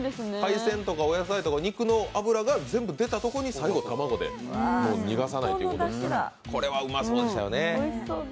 海鮮とかお野菜とか肉の油が全部出たところで最後、卵で逃がさないということですね、うまそうでしたね。